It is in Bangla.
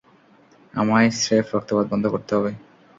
আমায় স্রেফ রক্তপাত বন্ধ করতে হবে।